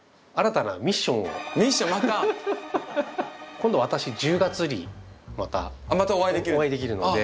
今度私１０月にまたお会いできるので。